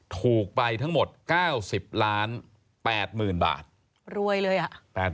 ถูกไปทั้งหมด๙๐ล้าน๘๐๐๐บาทรวยเลยอ่ะ